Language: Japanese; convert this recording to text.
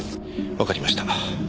わかりました。